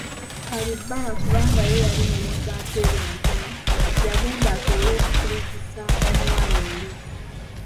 Kalibbala kubanga ye yali mulenzi ateerya ntama, yagenda asobole okukkirizisa omuwala oli.